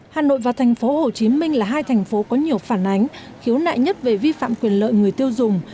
hà nội và tp hcm là hai thành phố có nhiều phản ánh khiếu nại nhất về vi phạm quyền lợi người tiêu dùng